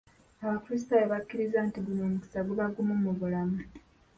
Abakrisitaayo bakkiriza nti guno omukisa guba gumu mu bulamu.